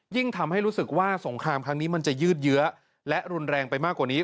ทำให้รู้สึกว่าสงครามครั้งนี้มันจะยืดเยื้อและรุนแรงไปมากกว่านี้